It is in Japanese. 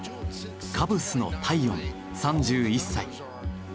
カブスのタイヨン３１歳。